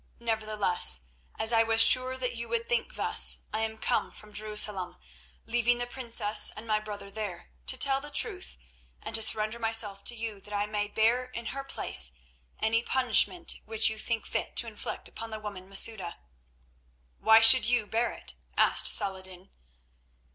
Nevertheless, as I was sure that you would think thus, I am come from Jerusalem, leaving the princess and my brother there, to tell the truth and to surrender myself to you, that I may bear in her place any punishment which you think fit to inflict upon the woman Masouda." "Why should you bear it?" asked Saladin.